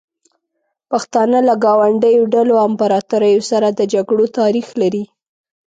پښتانه له ګاونډیو ډلو او امپراتوریو سره د جګړو تاریخ لري.